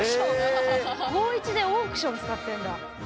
高１でオークション使ってんだ。